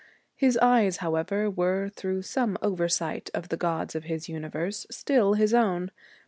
His eyes, however, were, through some oversight of the gods of his universe, still his own.